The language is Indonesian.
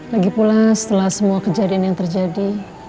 lagipula setelah semua kejadian yang terjadi